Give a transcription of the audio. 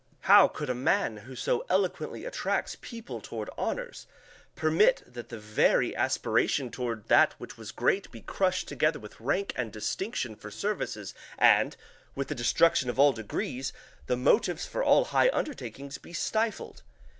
How could a man who so eloquently attracts people toward honors, permit that the very aspiration toward that which was great be crushed together with rank and distinction for services, and, with the destruction of all degrees, "the motives for all high undertakings be stifled"?